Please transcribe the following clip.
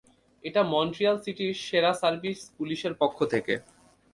এটা মন্ট্রিয়াল সিটির সেরা সার্ভিস পুলিশের পক্ষ থেকে।